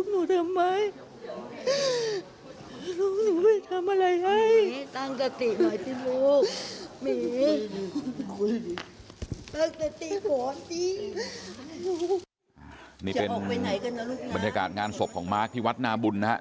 นี่เป็นบรรยากาศงานศพของมาร์คที่วัดนาบุญนะครับ